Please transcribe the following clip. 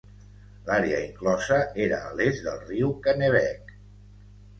L'àrea inclosa era a l'est del riu Kennebec.